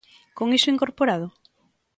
¿Con iso incorporado?